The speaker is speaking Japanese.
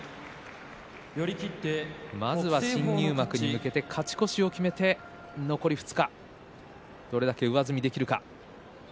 まずは新入幕に向けて勝ち越しを決めて残り２日どれだけ、上積みができるか。